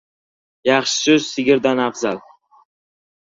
• Yaxshi so‘z sigirdan afzal.